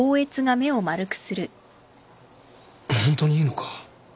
ホントにいいのか？